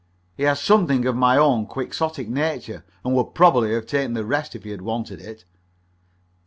He had something of my own quixotic nature, and would probably have taken the rest if he had wanted it.